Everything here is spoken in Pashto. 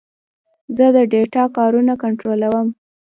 زه د ډیټا کارونه کنټرولوم.